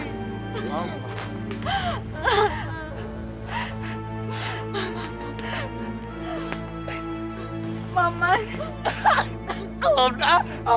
pa uda pa alpha